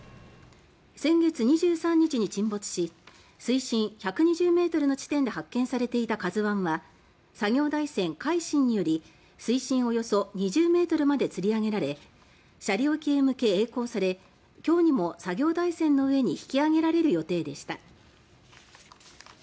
先月２３日に沈没し水深１２０ｍの地点で発見されていた「ＫＡＺＵ１」は作業台船「海進」により水深およそ２０ｍまでつり上げられ斜里沖へ向けえい航され今日にも作業台船の上に引き揚げられる予定でした。